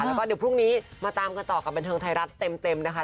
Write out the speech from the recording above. แล้วก็เดี๋ยวพรุ่งนี้มาตามกันต่อกับบันเทิงไทยรัฐเต็มนะคะ